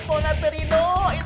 kau gak terlalu enak